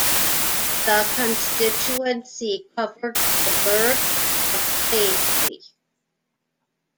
The constituency covered the burgh of Paisley.